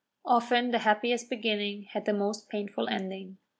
Often the happiest beginning had the most painful ending.